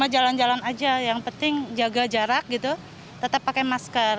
jalan jalan aja yang penting jaga jarak gitu tetap pakai masker